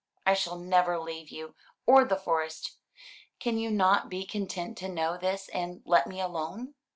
I shall never leave you, or the Forest. Can you not be content to know this and let me alone?"